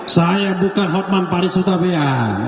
saya bukan hotman paris utabea